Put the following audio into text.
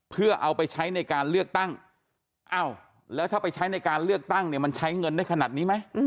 เพื่อเอาไปใช้ในการเลือกตั้งอ้าวแล้วถ้าไปใช้ในการเลือกตั้งเนี่ยมันใช้เงินได้ขนาดนี้ไหม